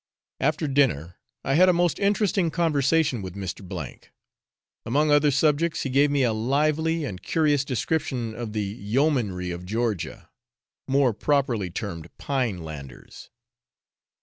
After dinner I had a most interesting conversation with Mr. K . Among other subjects, he gave me a lively and curious description of the Yeomanry of Georgia more properly termed pine landers.